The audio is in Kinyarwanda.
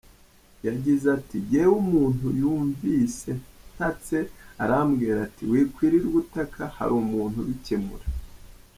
Yagize ati :”Njyewe umuntu yumvise ntatse arambwira ati wikwirirwa utaka hari umuntu ubikemura.